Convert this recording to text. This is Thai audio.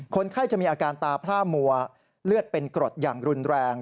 คนไข้จะมีอาการตาพร่ามัวเลือดเป็นกรดอย่างรุนแรง